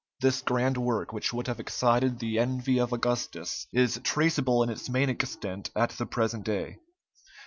This grand work, which would have excited the envy of Augustus, is traceable in its main extent at the present day.